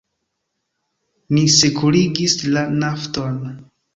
Ni sekurigis la Nafton.